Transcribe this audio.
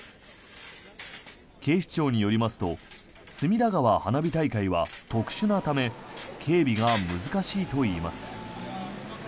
警視庁によりますと隅田川花火大会は特殊なため警備が難しいといいます。